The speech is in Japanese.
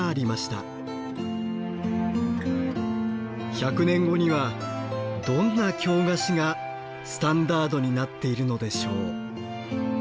１００年後にはどんな京菓子がスタンダードになっているのでしょう。